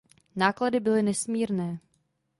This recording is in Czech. Náklady byly nesmírné.